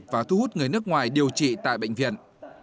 và thu hút người nước ngoài điều trị tại bệnh viện